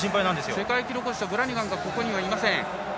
世界記録保持者のブラニガンがここにいません。